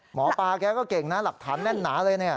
หมอปลาแกก็เก่งนะหลักฐานแน่นหนาเลยเนี่ย